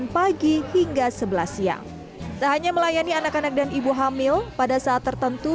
pagi hingga sebelas siang tak hanya melayani anak anak dan ibu hamil pada saat tertentu